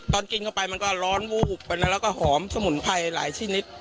ตอนกินเข้าไปมันก็ร้อนวูบไปนะแล้วก็หอมสมุนไพรหลายชนิด